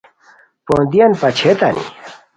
پوندیان پاچئیتانی